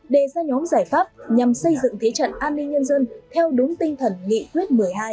đề ra nhóm giải pháp nhằm xây dựng thế trận an ninh nhân dân theo đúng tinh thần nghị quyết một mươi hai